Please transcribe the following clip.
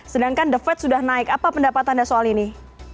sedangkan the fed sudah naik apa pendapat anda soal ini